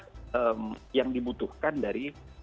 dan yang diperlukan untuk memperlukan peraturan perundang undang ini